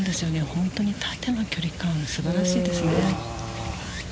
本当に縦の距離感がすばらしいですね。